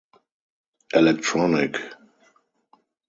Elektronik.